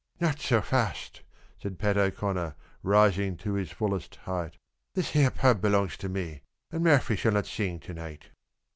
"Not so fasht," said Pat O'Connor, rising to his fullest height, "This here pub belongs to me, and Murphy shall not sing to night."